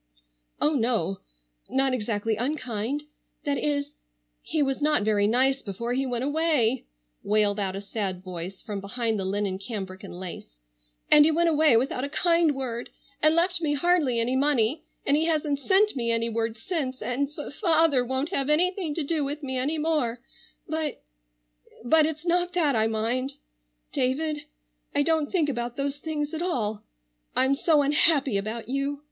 "Oh, no,—not exactly unkind—that is—he was not very nice before he went away," wailed out a sad voice from behind the linen cambric and lace, "and he went away without a kind word, and left me hardly any money—and he hasn't sent me any word since—and fa father won't have anything to do with me any more—but—but—it's not that I mind, David. I don't think about those things at all. I'm so unhappy about you.